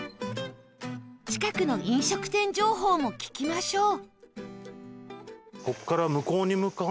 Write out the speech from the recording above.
近くの飲食店情報も聞きましょう